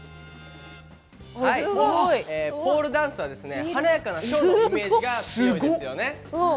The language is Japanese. ポールダンスは華やかなショーのイメージが強いですよね。